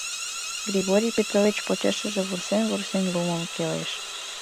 Григорий Петрович почешыже вурсен-вурсен лумым келеш: